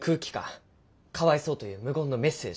かわいそうという無言のメッセージ。